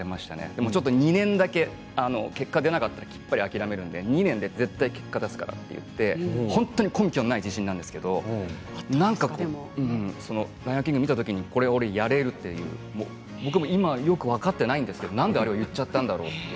でもちょっと２年だけ結果が出なかったらきっぱり諦めるので２年で絶対に結果を出すからといって本当に根拠のない自信なんですけれど「ライオンキング」見た時に俺はこれをやれるって僕も今、分かっていないんですけれども何であれを言っちゃったんだろうって。